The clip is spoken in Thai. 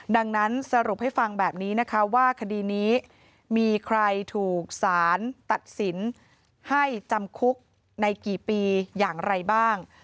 ดังนั้นสรุปให้ฟังแบบนี้นะคะว่าคดีนี้มีใครถูกสารตัดสินให้จำคุกในกี่ปีอย่างไรบ้าง